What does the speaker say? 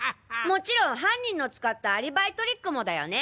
もちろん犯人の使ったアリバイトリックもだよね？